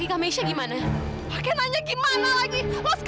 iya meksy aku maaf aku nggak sengaja kak